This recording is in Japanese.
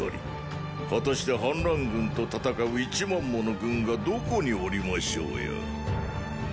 果たして反乱軍と戦う一万もの軍がどこにおりましょうや。